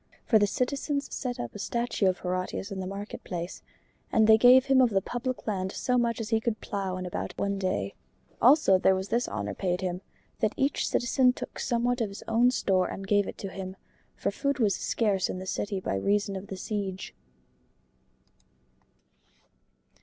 For the citizens set up a statue of Horatius in the market place; and they gave him of the public land so much as he could plow about in one day. Also there was this honor paid him, that each citizen took somewhat of his own store and gave it to him, for food was scarce in the city by reason of the siege.